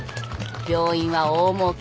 病院は大もうけ。